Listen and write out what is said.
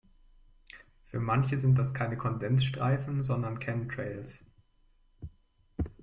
Für manche sind das keine Kondensstreifen, sondern Chemtrails.